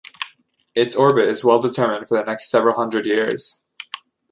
Its orbit is well-determined for the next several hundred years.